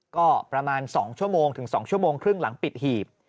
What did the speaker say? ก็ประมาณ๒ชั่วโมงถึง๒ชั่วโมงครึ่งหลังปิดหีบ